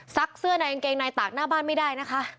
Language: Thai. เสื้อในกางเกงในตากหน้าบ้านไม่ได้นะคะ